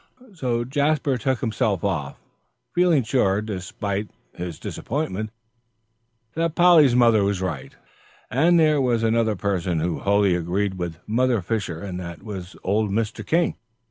So Jasper took himself off, feeling sure, despite his disappointment, that Polly's mother was right. And there was another person who wholly agreed with Mother Fisher, and that was old Mr. King.